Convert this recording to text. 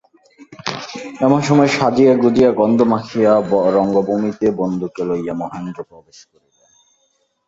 এমন সময় সাজিয়া-গুজিয়া গন্ধ মাখিয়া রঙ্গভূমিতে বন্ধুকে লইয়া মহেন্দ্র প্রবেশ করিলেন।